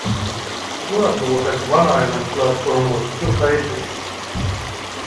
Booragul has one island platform with two faces.